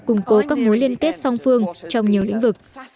củng cố các mối liên kết song phương trong nhiều lĩnh vực